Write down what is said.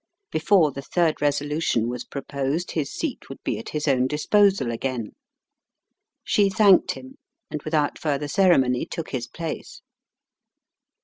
Before the third resolution was proposed his seat would be at his own disposal again. She thanked him, and without further ceremony took his place.